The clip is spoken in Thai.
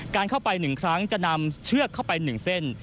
การเข้าไปหนึ่งครั้งจะนำเชือกเข้าไปหนึ่งเส้น